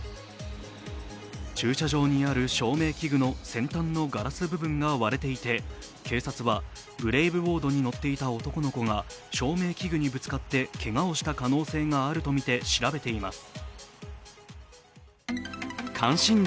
駐車場にある照明器具の先端のガラス部分が割れていて、警察はブレイブボードに乗っていた男の子が照明器具にぶつかってけがをした可能性があるとみて調べています。